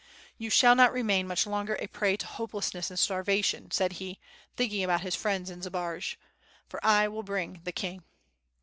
"You shall not remain much longer a prey to hopeless ness and starvation," said he, thinking about his friends in Zbaraj, "for I will bring the king."